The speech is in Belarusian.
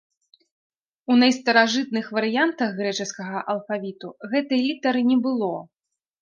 У найстаражытных варыянтах грэчаскага алфавіту гэтай літары не было.